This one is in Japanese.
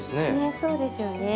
そうですよね。